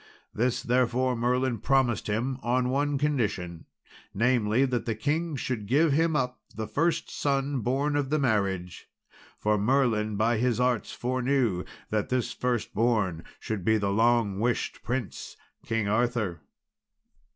This, therefore, Merlin promised him on one condition namely, that the king should give him up the first son born of the marriage. For Merlin by his arts foreknew that this firstborn should be the long wished prince, King Arthur.